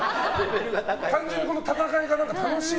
単純にこの戦いが楽しい。